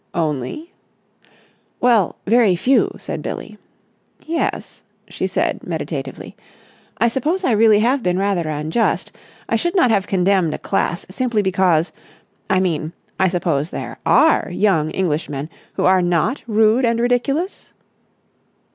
"Only?" "Well, very few," said Billie. "Yes," she said meditatively, "I suppose I really have been rather unjust. I should not have condemned a class simply because ... I mean, I suppose there are young Englishmen who are not rude and ridiculous?"